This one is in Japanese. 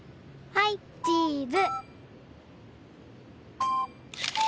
はいチーズ！